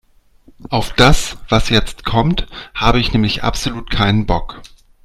Auf das, was jetzt kommt, habe ich nämlich absolut keinen Bock.